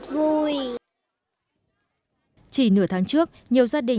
chỉ nửa tháng trước nhiều gia đình tại hương hóa hướng lập huyện hương hóa hướng lập huyện